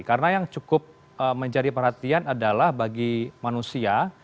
karena yang cukup menjadi perhatian adalah bagi manusia